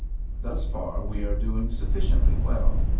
Thus far we are doing sufficiently well.